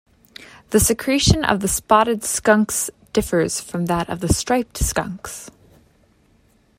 The secretion of the spotted skunks differs from that of the striped skunks.